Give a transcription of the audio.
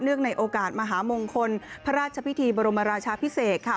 ในโอกาสมหามงคลพระราชพิธีบรมราชาพิเศษค่ะ